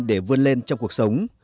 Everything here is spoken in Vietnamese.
để vươn lên trong cuộc sống